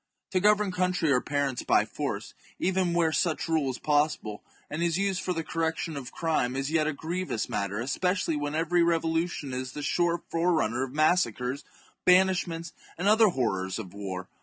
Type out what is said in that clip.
To govern country or parents by force, even where such rule is possible, and is used for the correction of crime, is yet a grievous matter, especially when every revolution is the sure forerunner of massacres, banish ments, and the other horrors of war.